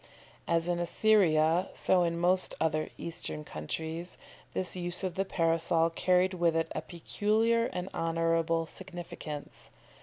As in Assyria, so in most other Eastern countries, this use of the Parasol carried with it a peculiar and honourable significance.